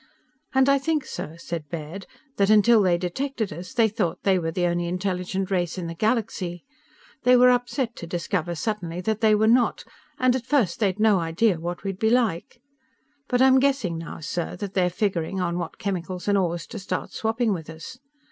"And I think, sir," said Baird, "that until they detected us they thought they were the only intelligent race in the galaxy. They were upset to discover suddenly that they were not, and at first they'd no idea what we'd be like. But I'm guessing now, sir, that they're figuring on what chemicals and ores to start swapping with us."